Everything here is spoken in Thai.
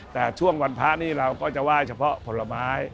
แต่ช่วงวันพระนี่เราก็จะไหว้เฉพาะผลไม้